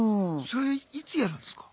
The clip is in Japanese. それいつやるんですか？